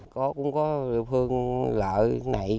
có cũng có phương lợi này